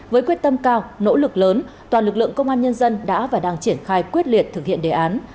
với quyết tâm cao nỗ lực lớn toàn lực lượng công an nhân dân đã và đang triển khai quyết liệt thực hiện đề án